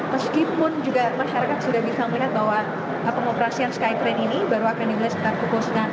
meskipun juga masyarakat sudah bisa melihat bahwa pengoperasian skytrain ini baru akan dimulai sekitar pukul sembilan